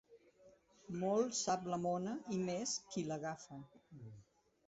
Molt sap la mona, i més qui l'agafa.